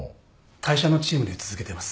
会社のチームで続けてます。